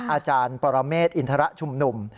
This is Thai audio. อาจารย์ปรเมฆอินทรชุมนุม